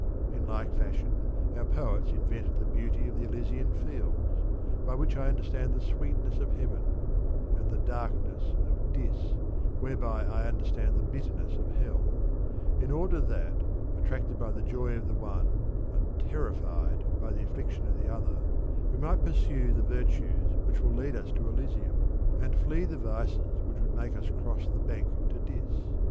In like fashion our poets invented the beauty of the Elysian fields, by which I understand the sweetness of heaven ; and the darkness of Dis, whereby I understand the bitterness of hell ; in order that, attracted by the joy of the one and terrified by the affliction of the other, we might pursue the virtues which will lead us to Elysium, and flee the vices which would make us cross the bank to Dis.